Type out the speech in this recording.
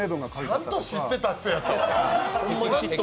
ちゃんと知ってた人やった。